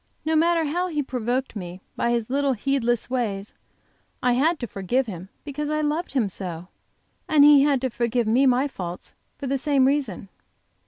No matter how he provoked me by his little heedless ways, I had to forgive him because I loved him so. And he had to forgive me my faults for the same reason."